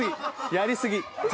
やり過ぎ。